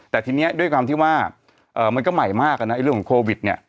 แต่ทีนี้ด้วยความที่ว่ามันก็ใหม่มากนะเรื่องของโควิดเนี่ย